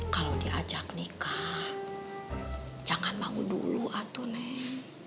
kalau diajak nikah jangan mau dulu atuh neng